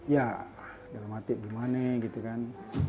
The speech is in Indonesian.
ya dalam hati gimana gitu kan